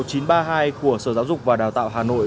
của sở giáo dục và đào tạo hà nội